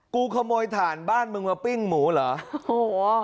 กูขโมยถ่านบ้านมึงมาปิ้งหมูเหรอโอ้โห